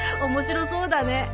面白そうだね。